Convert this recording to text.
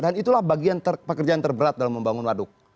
dan itulah bagian pekerjaan terberat dalam membangun waduk